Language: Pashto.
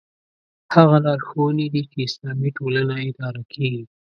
هغه لارښوونې دي چې اسلامي ټولنه اداره کېږي.